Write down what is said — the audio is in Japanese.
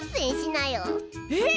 えっ！？